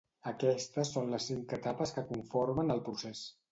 Aquestes són les cinc etapes que conformen el procés.